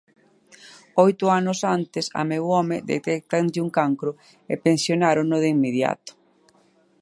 Oito anos antes a meu home detéctanlle un cancro e pensionárono de inmediato.